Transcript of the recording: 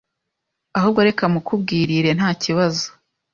ahubwo reka mukubwirire ntakibazo